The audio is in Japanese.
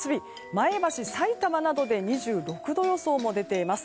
前橋、さいたまなどで２６度予想も出ています。